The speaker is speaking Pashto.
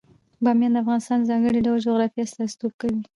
بامیان د افغانستان د ځانګړي ډول جغرافیه استازیتوب کوي.